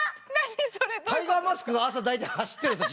タイガーマスクが朝大体走ってるんですよ